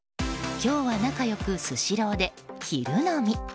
今日は仲良くスシローで昼飲み。